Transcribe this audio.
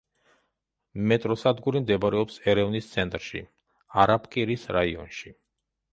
მეტროსადგური მდებარეობს ერევნის ცენტრში, არაბკირის რაიონში.